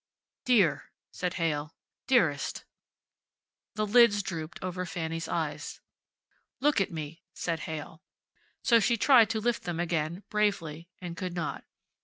"Dear," said Heyl. "Dearest." The lids drooped over Fanny's eyes. "Look at me," said Heyl. So she tried to lift them again, bravely, and could not.